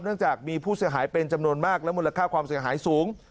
จากมีผู้เสียหายเป็นจำนวนมากและมูลค่าความเสียหายสูง